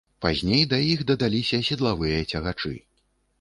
Пазней да іх дадаліся седлавыя цягачы.